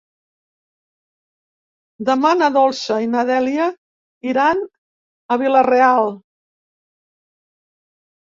Demà na Dolça i na Dèlia iran a Vila-real.